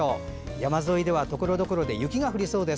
山沿いではところどころで雪が降りそうです。